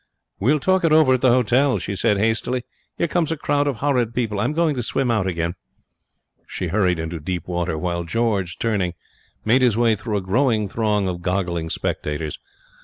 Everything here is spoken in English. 'We'll talk it over at the hotel,' she said, hastily. 'Here comes a crowd of horrid people. I'm going to swim out again.' She hurried into deeper water, while George, turning, made his way through a growing throng of goggling spectators.